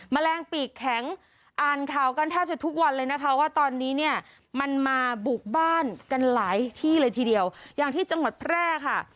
แมลงปีกแข็งอ่านข่าวกันแทบจะทุกวันเลยนะคะว่าตอนนี้เนี่ยมันมาบุกบ้านกันหลายที่เลยทีเดียวอย่างที่จังหวัดแพร่ค่ะ